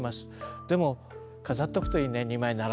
でも飾っとくといいね２枚並べてね。